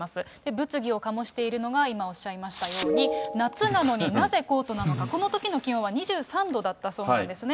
物議を醸しているのが、今おっしゃいましたように、夏なのになぜコートなのか、このときの気温は２３度だったそうなんですね。